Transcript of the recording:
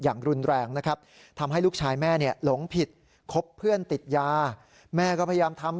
อย่างรุนแรงนะครับทำให้ลูกชายแม่เนี่ยหลงผิดคบเพื่อนติดยาแม่ก็พยายามทำ